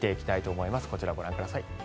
こちらをご覧ください。